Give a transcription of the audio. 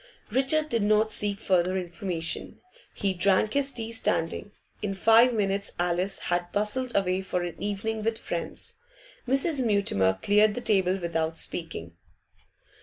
Richard did not seek further information. He drank his tea standing. In five minutes Alice had bustled away for an evening with friends. Mrs. Mutimer cleared the table without speaking.